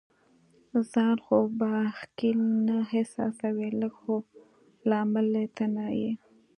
ځان خو به ښکیل نه احساسوې؟ لږ، خو لامل یې ته نه یې.